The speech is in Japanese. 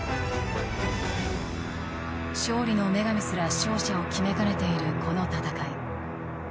勝利の女神すら勝者を決めかねているこの戦い。